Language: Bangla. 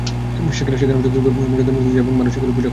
সেখানেও যথাযোগ্য মর্যাদায় মূর্তি ছিল এবং মানুষ এগুলোর পূঁজা করত।